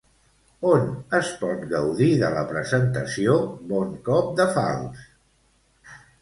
On es pot gaudir de la presentació "Bon cop de falç"?